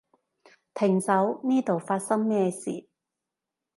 停手，呢度發生咩事？